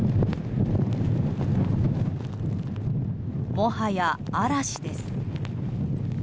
もはや嵐です。